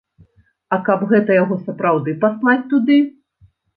А каб гэта яго сапраўды паслаць туды.